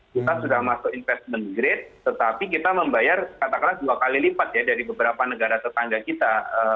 kita sudah masuk investment grade tetapi kita membayar katakanlah dua kali lipat ya dari beberapa negara tetangga kita